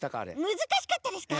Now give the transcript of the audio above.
むずかしかったですか？